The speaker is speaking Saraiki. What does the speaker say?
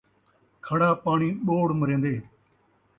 کھڑا پاݨی ٻوڑ مرین٘دے